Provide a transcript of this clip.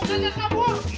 bisa aja kabur